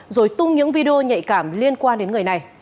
rồi tung những video nhạy cảm liên quan đến người này